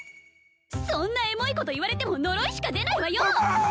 そんなエモいこと言われても呪いしか出ないわよ！